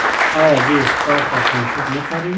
آیا دوی اسفالټ او کانکریټ نه کاروي؟